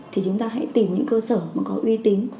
thì chúng ta hãy tìm những cơ sở mà có uy tín